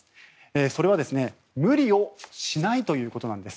それは無理をしないということなんです。